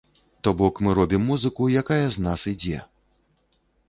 То бок мы робім музыку, якая з нас ідзе.